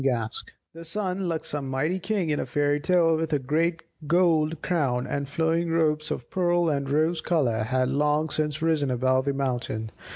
Gask The sun, like some mighty king in a fairy tale with a great gold crown, and flowing robes of pearl and rose colour, had long since risen above the mountain.